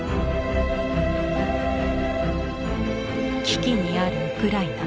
危機にあるウクライナ。